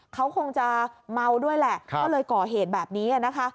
เขาคงจะเมาด้วยแหละก็เลยก่อเหตุแบบนี้นะคะ